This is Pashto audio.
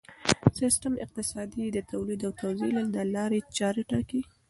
سیستم اقتصادي د تولید او توزیع د لارې چارې ټاکي.